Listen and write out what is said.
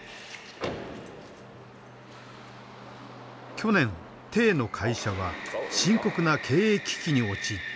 去年の会社は深刻な経営危機に陥った。